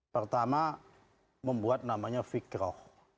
pertama membuat namanya fikroh